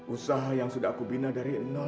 usaha yang sudah aku bina dari nol sekarang hancur